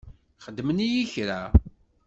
Xedmen-iyi kra?